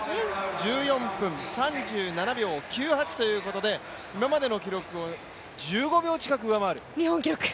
１４分３７秒９８ということで今までの記録を１５秒近く上回る。